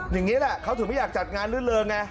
อย่างนี้แหละเขาถึงไม่อยากจัดงานลื่นเริงไง